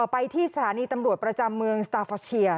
ไปที่สถานีตำรวจประจำเมืองสตาร์ฟอร์เชีย